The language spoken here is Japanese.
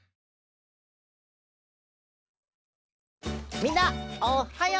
みんなおはよう！